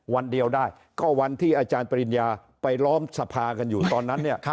วันเดียวได้ก็วันที่อาจารย์ปริญญาไปล้อมสภากันอยู่ตอนนั้นเนี่ย